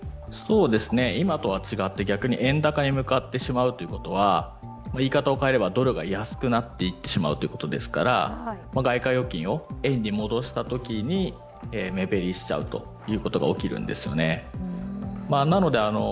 今とは違って、逆に円高に向かってしまうということは言い方を変えればドルが安くなってしまうということですから外貨預金を円に戻したときに目減りしちゃうことが起きるんですね。